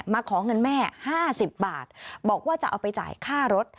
ขอเงินแม่๕๐บาทบอกว่าจะเอาไปจ่ายค่ารถ